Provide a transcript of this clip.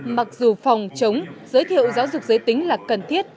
mặc dù phòng chống giới thiệu giáo dục giới tính là cần thiết